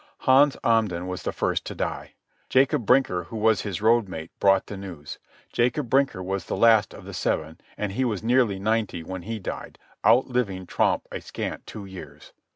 Hans Amden was the first to die. Jacob Brinker, who was his road mate, brought the news. Jacob Brinker was the last of the seven, and he was nearly ninety when he died, outliving Tromp a scant two years.